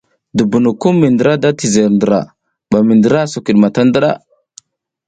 Dubunukum mi ndra da tizer ndra ɓa mi ndra kiɗ ta ndiɗa.